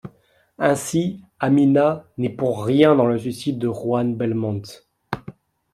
Ainsi, Amina n'est pour rien dans le suicide de Juan Belmonte.